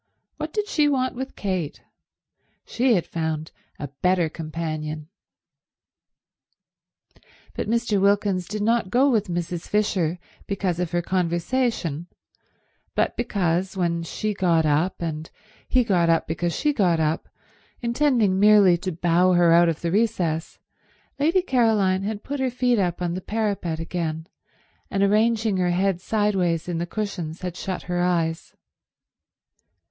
What did she want with Kate? She had found a better companion. But Mr. Wilkins did not go with Mrs. Fisher because of her conversation, but because, when she got up and he got up because she got up, intending merely to bow her out of the recess, Lady Caroline had put her feet up on the parapet again, and arranging her head sideways in the cushions had shut her eyes.